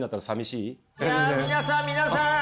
いや皆さん皆さん。